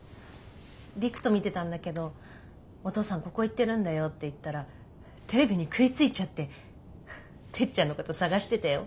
璃久と見てたんだけど「お父さんここ行ってるんだよ」って言ったらテレビに食いついちゃっててっちゃんのこと探してたよ。